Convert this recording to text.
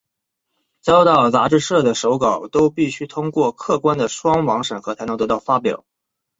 交到杂志社的手稿都须通过客观的双盲审核才能得到发表。